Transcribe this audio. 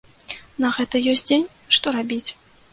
На гэта ёсць дзень, што рабіць?